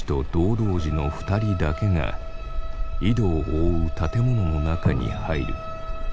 童子の２人だけが井戸を覆う建物の中に入る。